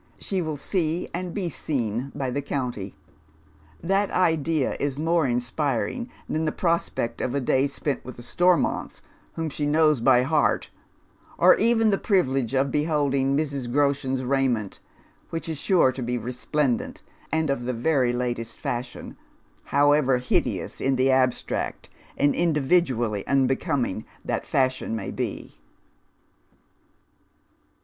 She will see and be seen by the county. That idea is more inspiring than the prospect of a day spent with the Stormonts, whom she knows by heart, or even the privilege of beholding Mrs. Groshen's raiment, which is sure to be resplendent and of the very latest fashion, however hideous in the abstract and individually unbecoming tliat fashion may bo.